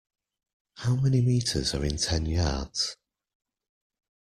How many meters are in ten yards?